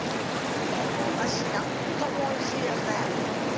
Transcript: このおだしなんともおいしいですね